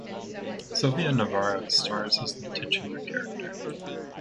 Silvia Navarro stars as the titular character.